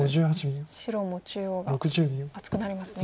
白も中央が厚くなりますね。